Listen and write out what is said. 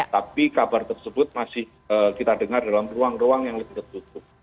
tapi kabar tersebut masih kita dengar dalam ruang ruang yang lebih tertutup